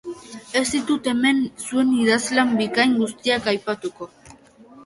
Ez ditut hemen zuen idazlan bikain guztiak aipatuko.